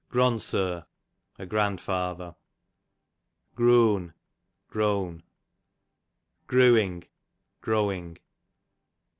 Gronsur, a grandfather. Groon, grown. Grooing, growing.